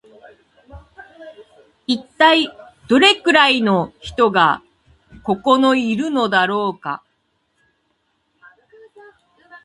一体どれくらいの人がここのいるのだろうか